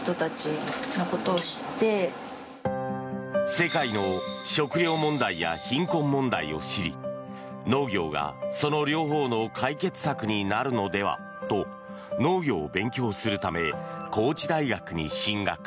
世界の食糧問題や貧困問題を知り農業がその両方の解決策になるのではと農業を勉強するため高知大学に進学。